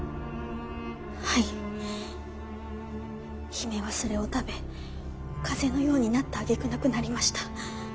姫はそれを食べ風邪のようになったあげく亡くなりました。